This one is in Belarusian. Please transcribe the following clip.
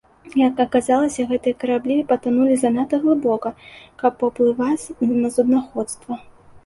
Як аказалася гэтыя караблі патанулі занадта глыбока, каб паўплываць на суднаходства.